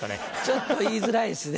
ちょっと言いづらいですね。